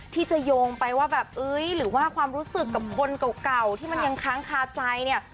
ที่จะโยงไปว่าแบบเอ้ยหรือว่าความรู้สึกกับคนเก่าที่มันยังค้างคาใจเนี่ย